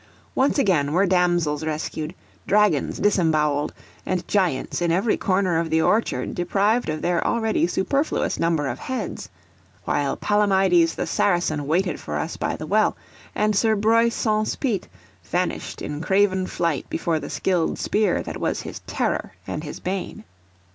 Once again were damsels rescued, dragons disembowelled, and giants, in every corner of the orchard, deprived of their already superfluous number of heads; while Palamides the Saracen waited for us by the well, and Sir Breuse Saunce Pite vanished in craven flight before the skilled spear that was his terror and his bane.